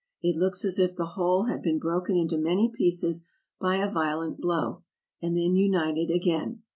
It looks as if the whole had been broken into many pieces by a violent blow, and then united again.